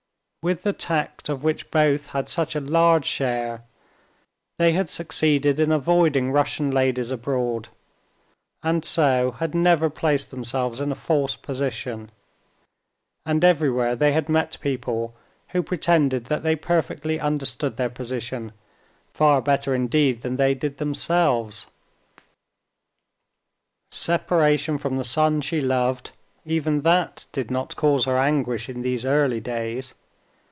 With the tact of which both had such a large share, they had succeeded in avoiding Russian ladies abroad, and so had never placed themselves in a false position, and everywhere they had met people who pretended that they perfectly understood their position, far better indeed than they did themselves. Separation from the son she loved—even that did not cause her anguish in these early days.